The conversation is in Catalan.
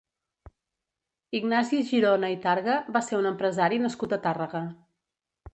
Ignasi Girona i Targa va ser un empresari nascut a Tàrrega.